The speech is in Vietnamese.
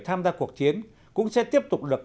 tham gia cuộc chiến cũng sẽ tiếp tục được